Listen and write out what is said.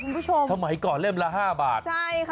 ทำไมก่อนเริ่มละ๕บาทใช่ค่ะ